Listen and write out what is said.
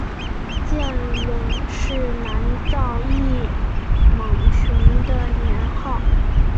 见龙是南诏异牟寻的年号。